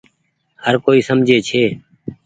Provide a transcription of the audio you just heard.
هر ڪوئي سمجهي ڇي۔